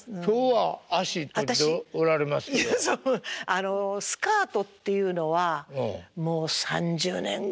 あのスカートっていうのはもう３０年ぐらい着てないですね。